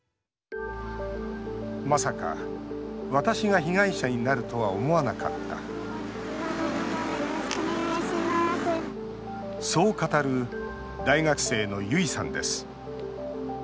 まさか、私が被害者になるとは思わなかったそう語る大学生の結さんです。